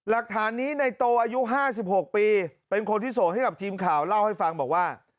หลักฐานนี้ในโตอายุ๕๖ปีเป็นคนที่ส่งให้กับทีมข่าวเล่าให้ฟังบอกว่า